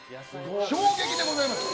衝撃でございます。